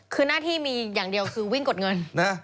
คือหน้าที่มีอย่างเดียวคือวิ่งกดเงิน